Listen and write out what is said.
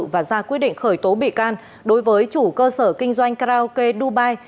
và ra quyết định khởi tố bị can đối với chủ cơ sở kinh doanh karaoke dubai